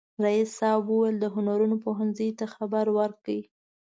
رئیس صاحب وویل د هنرونو پوهنځي ته خبرې وکړي.